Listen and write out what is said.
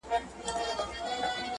د بادغیس پسته، تازه چارمغز